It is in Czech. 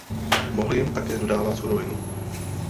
Mohl jim také dodávat surovinu.